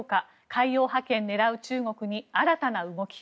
海洋覇権狙う中国に新たな動き。